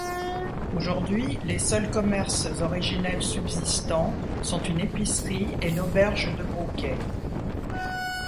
Aujourd’hui les seuls commerces originels subsistants sont une épicerie et l'auberge de Brouquet.